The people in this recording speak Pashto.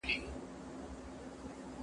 زه اوس موبایل کاروم!.